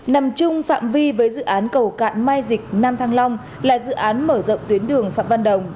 nằm chung phạm vi với dự án cầu cạn mai dịch nam thăng long là dự án mở rộng tuyến đường phạm văn đồng